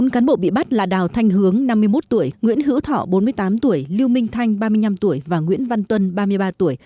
bốn cán bộ bị bắt là đào thanh hướng năm mươi một tuổi nguyễn hữu thọ bốn mươi tám tuổi lưu minh thanh ba mươi năm tuổi và nguyễn văn tuân ba mươi ba tuổi